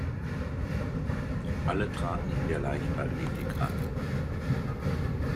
Alle traten in der Leichtathletik an.